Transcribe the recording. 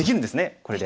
これで。